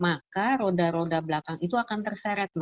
maka roda roda belakang itu akan terseret